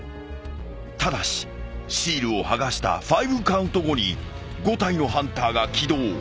［ただしシールを剥がした５カウント後に５体のハンターが起動］